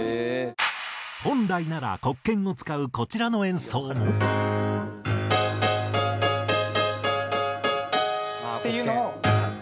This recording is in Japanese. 本来なら黒鍵を使うこちらの演奏も。っていうのを。